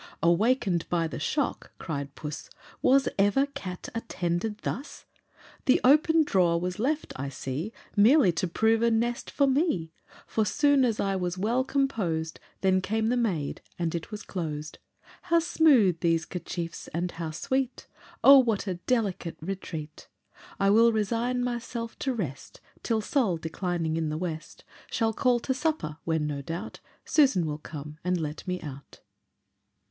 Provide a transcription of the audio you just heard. Awaken'd by the shock (cried Puss) "Was ever cat attended thus? The open drawer was left, I see, Merely to prove a nest for me, For soon as I was well composed, Then came the maid, and it was closed, How smooth these 'kerchiefs, and how sweet! O what a delicate retreat! I will resign myself to rest Till Sol, declining in the west, Shall call to supper, when, no doubt, Susan will come and let me out."